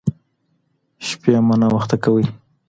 شپې مه ناوخته کوئ.